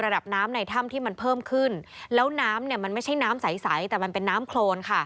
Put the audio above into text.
ระดับน้ำในถ้ำที่มันเพิ่มขึ้นแล้วน้ำเนี่ยมันไม่ใช่น้ำใสแต่มันเป็นน้ำโครนค่ะ